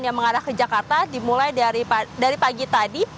yang mengarah ke jakarta dimulai dari pagi tadi